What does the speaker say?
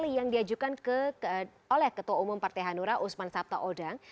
yang diajukan oleh ketua umum partai hanura usman sabta odang